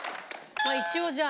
一応じゃあ。